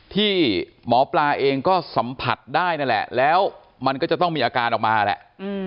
ที่หมอปลาเองก็สัมผัสได้นั่นแหละแล้วมันก็จะต้องมีอาการออกมาแหละ